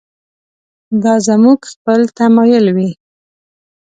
دا زموږ خپل تمایل وي.